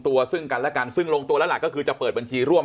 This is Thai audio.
ซึ่งกันและกันซึ่งลงตัวแล้วล่ะก็คือจะเปิดบัญชีร่วม